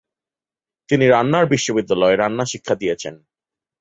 তিনি রান্নার বিদ্যালয়ে রান্না শিক্ষা দিয়েছেন।